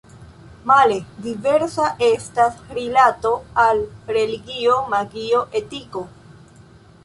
Male diversa estas rilato al religio, magio, etiko.